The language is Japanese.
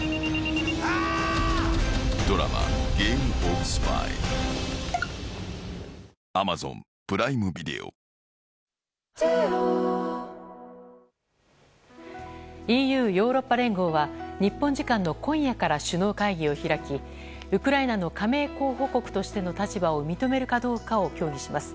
暑さに慣れるまで数日から２週間程度かかるのでＥＵ・ヨーロッパ連合は日本時間の今夜から首脳会議を開きウクライナの加盟候補国としての立場を認めるかどうかを協議します。